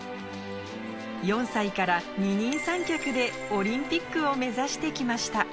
４歳から二人三脚でオリンピックを目指してきました。